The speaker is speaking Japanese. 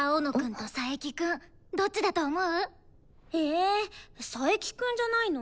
え佐伯くんじゃないの？